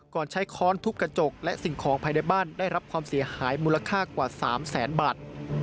ใช้ค้อนทุบกระจกและสิ่งของภายในบ้านได้รับความเสียหายมูลค่ากว่า๓แสนบาท